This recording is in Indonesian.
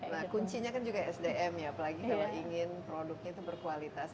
nah kuncinya kan juga sdm ya apalagi kalau ingin produknya itu berkualitas